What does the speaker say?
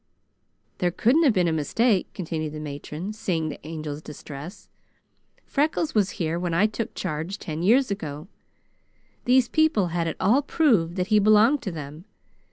"There couldn't have been a mistake," continued the matron, seeing the Angel's distress. "Freckles was here when I took charge, ten years ago. These people had it all proved that he belonged to them.